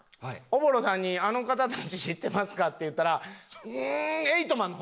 おぼろさんに「あの方たち知ってますか？」って言ったらうーん。